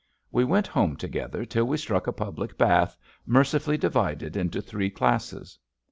We went home together till we struck a public bath, mercifully divided into three classes.